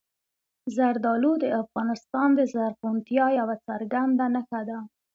زردالو د افغانستان د زرغونتیا یوه څرګنده نښه ده.